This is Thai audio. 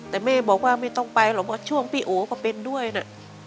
แต่แม่บอกว่าไม่ต้องไปหรอกเพราะช่วงพี่โอ๋ก็เป็นด้วยนะ